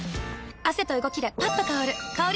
汗と動きでパッと香る香り